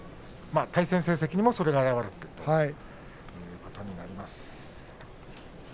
対戦成績にも、それが表れているということになります。